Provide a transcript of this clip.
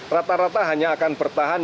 rata rata hanya akan bertahan